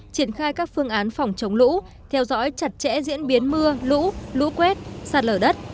triển khai các phương án phòng chống lũ theo dõi chặt chẽ diễn biến mưa lũ lũ quét sạt lở đất